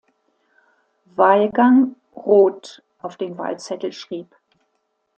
Wahlgang "Roth" auf den Wahlzettel schrieb.